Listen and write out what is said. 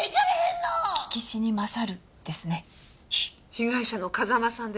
被害者の風間さんですが。